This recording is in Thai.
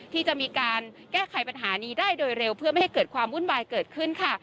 ที่จะมีการแก้ไขปัญหานี้ได้โดยเร็วเพื่อไม่ให้เกิดความวุ่นวายเกิดขึ้นค่ะ